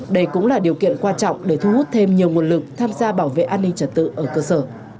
đây cũng là điều kiện quan trọng để thu hút thêm nhiều nguồn lực tham gia bảo vệ an ninh trật tự ở cơ sở